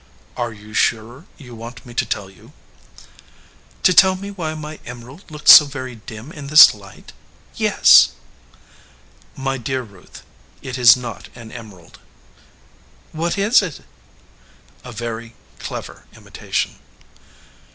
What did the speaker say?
"Are you sure you want me to tell you?" "To tell why my emerald looks so very dim in this light? Yes." "My dear Ruth, it is not an emerald." "What is it?" "A very clever imitation."